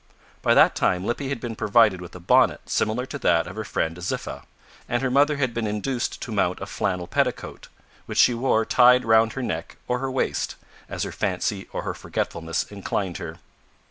By that time Lippy had been provided with a bonnet similar to that of her friend Ziffa, and her mother had been induced to mount a flannel petticoat, which she wore tied round her neck or her waist, as her fancy or her forgetfulness inclined her.